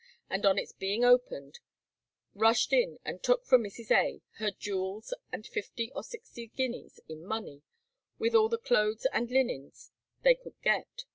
and on its being opened, rushed in and took from Mrs. A. her jewels and fifty or sixty guineas in money, with all the clothes and linen they could get.